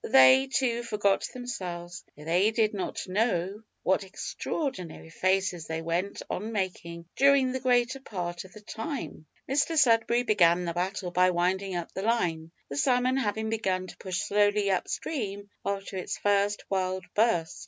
They, too, forgot themselves; they did not know what extraordinary faces they went on making during the greater part of the time! Mr Sudberry began the battle by winding up the line, the salmon having begun to push slowly up stream after its first wild burst.